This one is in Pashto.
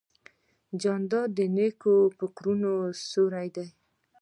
جانداد د نیکو فکرونو سیوری دی.